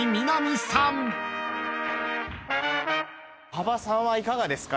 羽場さんはいかがですか？